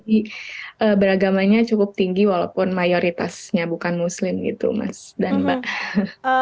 jadi memang toleransi beragamanya cukup tinggi walaupun mayoritasnya bukan muslim gitu mas dan mbak